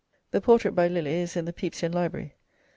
The portrait by Lely is in the Pepysian Library.